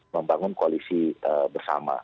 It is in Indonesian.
membangun koalisi bersama